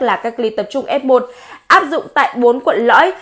là cách ly tập trung f một áp dụng tại bốn quận lõi